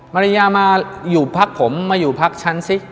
ภรรยามาอยู่พักผมมาอยู่พักฉันซิ